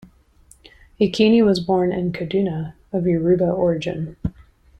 Yekini was born in Kaduna, of Yoruba origin.